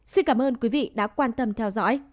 xin cảm ơn quý vị đã quan tâm theo dõi